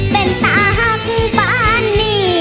เป็นตาหักบ้านนี้